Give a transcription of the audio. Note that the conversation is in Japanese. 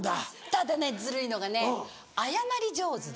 ただねずるいのがね謝り上手で。